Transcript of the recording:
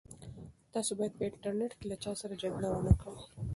تاسي باید په انټرنيټ کې له چا سره جګړه ونه کړئ.